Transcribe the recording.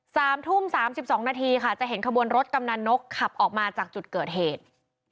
สามทุ่มสามสิบสองนาทีค่ะจะเห็นขบวนรถกำนันนกขับออกมาจากจุดเกิดเหตุ